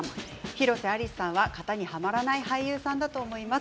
広瀬アリスさんは型にはまらない俳優さんだと思います。